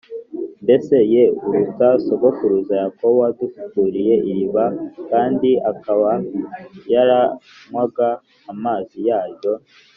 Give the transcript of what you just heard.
Mbese ye uruta sogokuruza Yakobo, wadufukuriye iri riba, kandi akaba yaranywaga amazi yaryo?